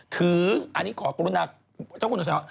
ถืออันนี้ขอกรุณาเจ้าคุณอนุชา